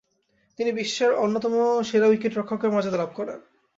তিনি বিশ্বের অন্যতম সেরা উইকেট-রক্ষকের মর্যাদা লাভ করেন।